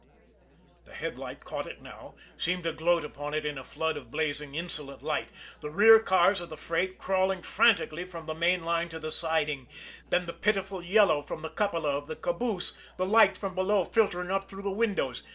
The headlight caught it now seemed to gloat upon it in a flood of blazing, insolent light the rear cars of the freight crawling frantically from the main line to the siding then the pitiful yellow from the cupola of the caboose, the light from below filtering up through the windows.